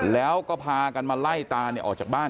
แล้วก็พากันมาไล่ตาออกจากบ้าน